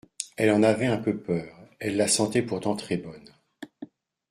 Elle en avait un peu peur, elle la sentait pourtant très bonne.